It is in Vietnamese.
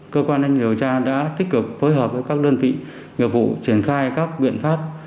cơ quan an ninh điều tra đã tích cực phối hợp với các đơn vị nghiệp vụ triển khai các biện pháp